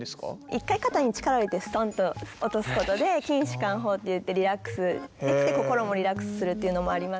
一回肩に力を入れてストンと落とすことで筋しかん法っていってリラックスできて心もリラックスするっていうのもあります。